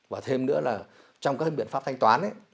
và thêm nữa là trong các biện pháp thanh toán